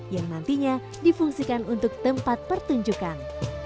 yang nantinya difungsikan untuk tempat pertunjukan